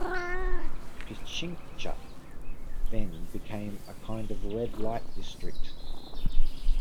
Pichincha then became a kind of red-light district.